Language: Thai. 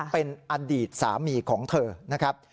เป็นอดีตสามีของเธอนะครับ